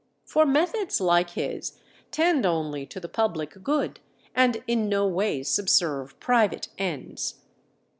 For methods like his tend only to the public good and in no way subserve private ends.